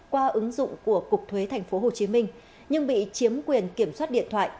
qua ứng dụng của cục thuế tp hcm nhưng bị chiếm quyền kiểm soát điện thoại